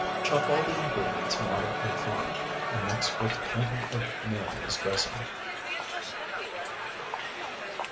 Chop all the ingredients moderately fine, and mix well with plenty of mayonnaise dressing.